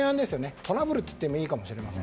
トラブルといっていいかもしれません。